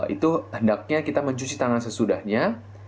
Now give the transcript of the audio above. itu hendaknya kita mencuci tangan sesudahnya